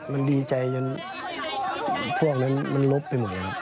มันดีใจจนพวกนั้นมันลบไปหมดเลยครับ